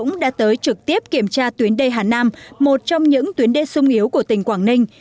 trịnh đình dũng đã tới trực tiếp kiểm tra tuyến đê hà nam một trong những tuyến đê sung yếu của tỉnh quảng ninh